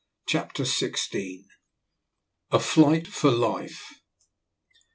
CHAPTER SIXTEEN. A FLIGHT FOR LIFE.